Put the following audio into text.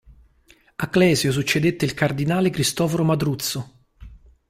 A Clesio succedette il cardinale Cristoforo Madruzzo.